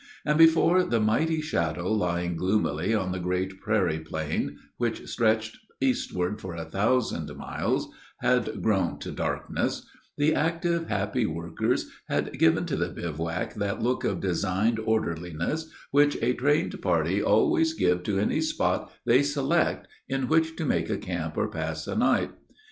And before the mighty shadow lying gloomily on the great prairie plain, which stretched eastward for a thousand miles, had grown to darkness, the active, happy workers had given to the bivouac that look of designed orderliness which a trained party always give to any spot they select in which to make a camp or pass a night.